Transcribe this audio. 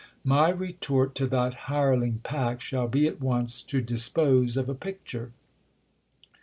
My retort to that hireling pack shall be at once to dispose of a picture."